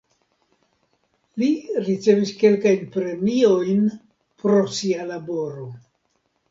Li ricevis kelkajn premiojn pro sia laboro.